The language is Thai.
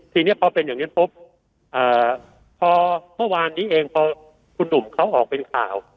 ทีนี้พอเป็นอย่างนั้นปุ๊บพอเมื่อวานนี้เองพอคุณหนุ่มเขาออกเป็นข่าว